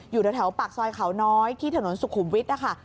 อยู่แถวปากซอยเขาน้อยที่ถนนสุขุมวิทย์นะคะ